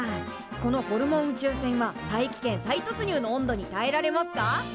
このホルモン宇宙船は大気圏再突入の温度にたえられますか？